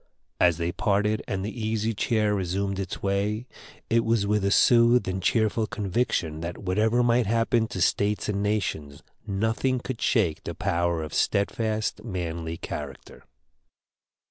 As they parted and the Easy Chair resumed its way, it was with a soothed and cheerful conviction that whatever might happen to states and nations, nothing could shake the power of steadfast, manly character.